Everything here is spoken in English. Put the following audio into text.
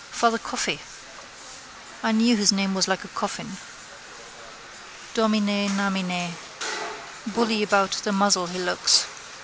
Father Coffey. I knew his name was like a coffin. Dominenamine. Bully about the muzzle he looks.